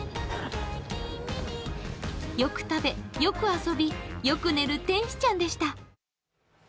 よく食べ、よく遊び、よく寝る天使ちゃんでした。